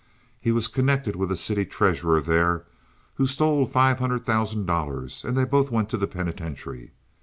He was connected with a city treasurer there who stole five hundred thousand dollars, and they both went to the penitentiary.